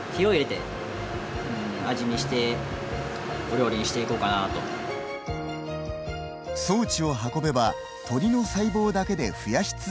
装置を運べばトリの細胞だけで増やし続けることができます。